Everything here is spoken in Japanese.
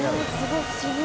すごい不思議。